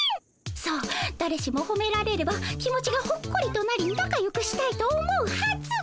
そうだれしもほめられれば気持ちがほっこりとなりなかよくしたいと思うはず。